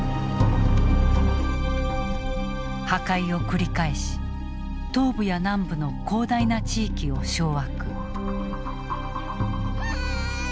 破壊を繰り返し東部や南部の広大な地域を掌握。